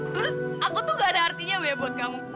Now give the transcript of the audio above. terus aku tuh gak ada artinya ya buat kamu